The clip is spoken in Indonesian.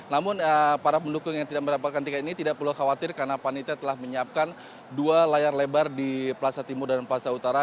namun para pendukung yang tidak mendapatkan tiket ini tidak perlu khawatir karena panitia telah menyiapkan dua layar lebar di plaza timur dan plaza utara